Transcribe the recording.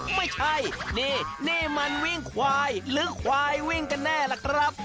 ไม่ใช่นี่นี่มันวิ่งควายหรือควายวิ่งกันแน่ล่ะครับ